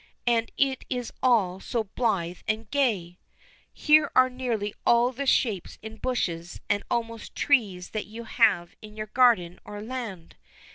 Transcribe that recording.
And it is all so blithe and gay! Here are nearly all the shapes in bushes and almost trees that you have in your garden on land.